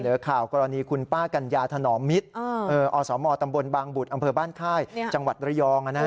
ข่าวกรณีคุณป้ากัญญาถนอมมิตรอสมตำบลบางบุตรอำเภอบ้านค่ายจังหวัดระยอง